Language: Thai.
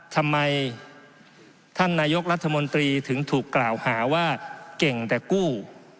ทำไมท่านนายกรัฐมนตรีถึงถูกกล่าวหาว่าเก่งแต่กู้